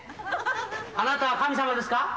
あなたは神様ですか？